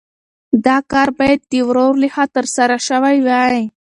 دا کار باید د ورور لخوا ترسره شوی وای.